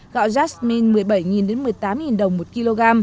gạo jasmine một mươi bảy một mươi tám đồng một kg